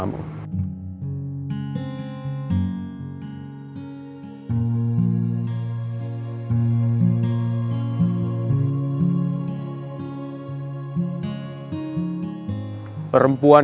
tidak tutaj term clair